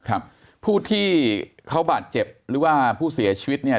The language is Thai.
ครับผู้ที่เขาบาดเจ็บหรือว่าผู้เสียชีวิตเนี่ย